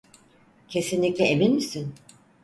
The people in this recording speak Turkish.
Kesinlikle emin misin?